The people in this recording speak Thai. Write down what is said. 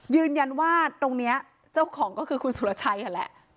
ยืนยันว่าตรงนี้เจ้าของก็คือคุณสุรชัยนั่นแหละ